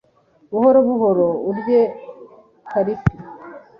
buhoro buhoro urye karipi